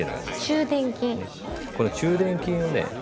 この中臀筋をね